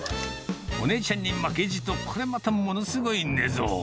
お姉ちゃんに負けじと、これまたものすごい寝相。